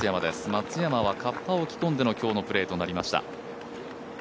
松山はカッパを着込んでの今日のプレーとなりました。